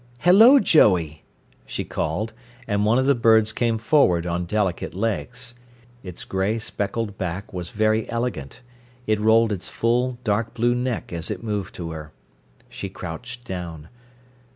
"Hello, Joey!" she called, and one of the birds came forward, on delicate legs. Its grey spreckled back was very elegant, it rolled its full, dark blue neck as it moved to her. She crouched down.